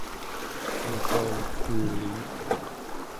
angtuamek nel'iyugtuq